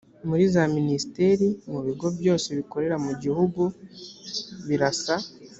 muri za minisiteri mu bigo byose bikorera mu gihugu birasa